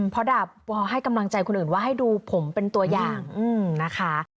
เพราะดาบปอให้กำลังใจคนอื่นว่าให้ดูผมเป็นตัวอย่างนะคะ